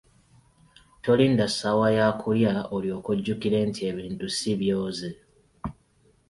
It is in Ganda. Tolinda ssaawa ya kulya olyoke ojjukire nti ebintu si byoze.